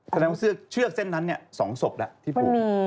แสดงว่าเชือกเส้นนั้นสองศพละ